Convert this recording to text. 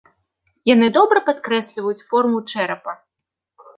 Яны добра падкрэсліваюць форму чэрапа.